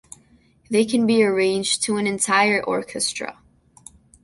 They can be arranged to an entire orchestra.